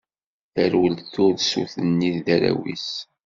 Terwel tursut-nni d warraw-is.